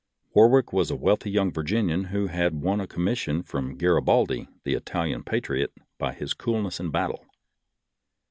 Warwick was a wealthy young Virginian who had won a commission from Garibaldi, the Ital ian patriot, by his coolness in battle.